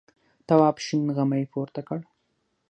تواب شین غمی پورته کړ.